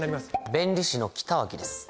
弁理士の北脇です。